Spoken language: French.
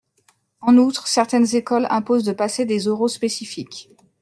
En outre, certaines écoles imposent de passer des oraux spécifiques.